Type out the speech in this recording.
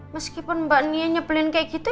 meskipun mbak nia nyebelin kayak gitu